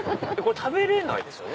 食べれないですよね？